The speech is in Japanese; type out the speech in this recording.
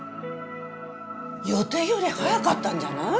よていより早かったんじゃない？